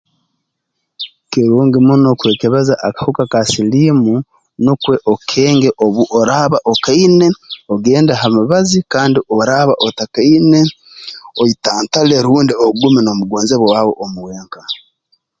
Kirungi muno kwekebeza akahuka ka siliimu nukwo okenge obu oraaba okaine ogende ha mibazi kandi oraaba otakaine oyitantale rundi ogume n'omugonzebwa waawe omu wenka